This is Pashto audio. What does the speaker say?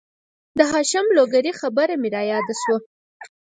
د هاشم لوګرې خبره مې را یاده شوه